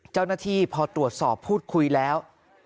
เจ้าหน้าที่พอตรวจสอบพูดคุยแล้ว